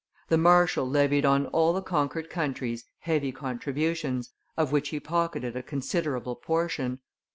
The marshal levied on all the conquered countries heavy contributions, of which he pocketed a considerable portion.